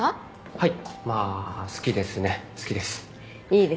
はい。